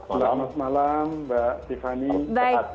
selamat malam mbak tiffany